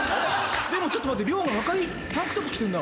でもちょっと待ってが赤いタンクトップ着てんな。